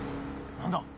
何だ？